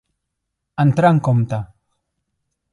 Entrar en compte.